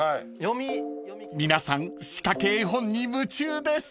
［皆さんしかけ絵本に夢中です］